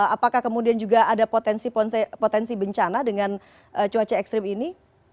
apakah kemudian juga ada potensi bencana dengan cuaca ekstrim ini